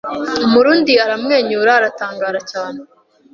Umurundi aramwenyura aratangara cyane